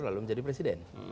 lalu menjadi presiden